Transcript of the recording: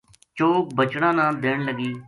چوگ بچڑاں نا دین لگی